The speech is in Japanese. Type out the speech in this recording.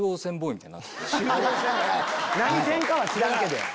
何線かは知らんけど。